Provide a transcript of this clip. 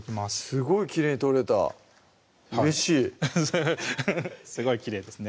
すごいきれいに取れたうれしいアハハッすごいきれいですね